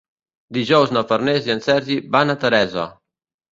Dijous na Farners i en Sergi van a Teresa.